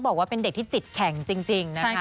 บอกว่าเป็นเด็กที่จิตแข็งจริงนะคะ